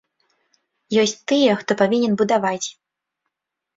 Ёсць тыя, хто павінен будаваць.